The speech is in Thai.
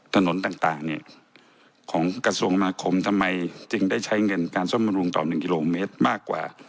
ถนนต่างเนี่ยของกระทรวงมาคมทำไมจึงได้ใช้เงินการซ่อมบำรุงต่อ๑กิโลเมตรมากกว่า